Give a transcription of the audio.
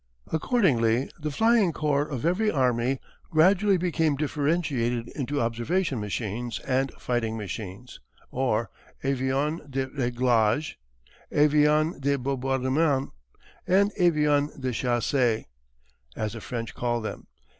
Accordingly the flying corps of every army gradually became differentiated into observation machines and fighting machines or avions de réglage, avions de bombardement, and avions de chasse, as the French call them.